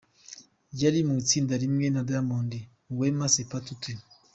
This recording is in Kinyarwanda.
Yari mu itsinda rimwe na Diamond, Wema Sepetu, T.